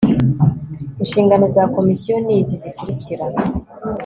Inshingano za Komisiyo ni izi zikurikira